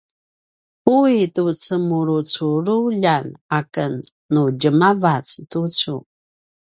ui tu cemulucululjan aken nu djemavac tucu